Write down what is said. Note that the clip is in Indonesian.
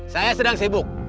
saya sedang sibuk